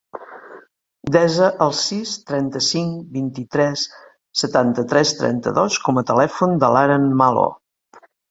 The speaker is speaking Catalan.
Desa el sis, trenta-cinc, vint-i-tres, setanta-tres, trenta-dos com a telèfon de l'Aren Malo.